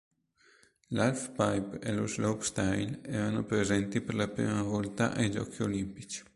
L'halfpipe e lo slopestyle erano presenti per la prima volta ai Giochi olimpici.